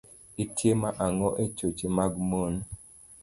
itimo ang'o e choche mag mon